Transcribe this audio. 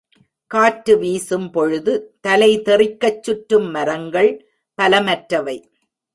காற்று வீசும்பொழுது தலை தெறிக்கச்சுற்றும் மரங்கள் பலமற்றவை.